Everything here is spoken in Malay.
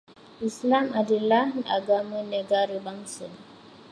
Islam adalah agama negara bangsa